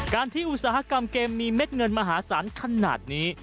การที่อุตสาหกรรมเกมมีเม็ดเงินมหาศาลขนาดนี้